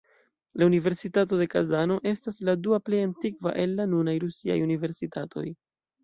La Universitato de Kazano estas la dua plej antikva el la nunaj rusiaj universitatoj.